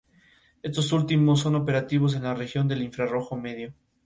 Estos últimos, son operativos en la región del infrarrojo medio.